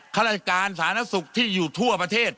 ข้าราชการสาธารณสุขที่อยู่ทั่วประเทศ